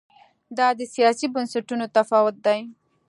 دا د سیاسي بنسټونو تفاوت دی.